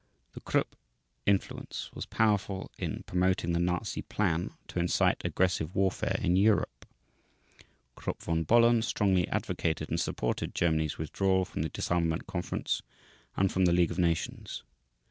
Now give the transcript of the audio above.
The Krupp influence was powerful in promoting the Nazi plan to incite aggressive warfare in Europe. Krupp von Bohlen strongly advocated and supported Germany's withdrawal from the Disarmament Conference and from the League of Nations.